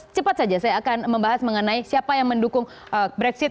cepat saja saya akan membahas mengenai siapa yang mendukung brexit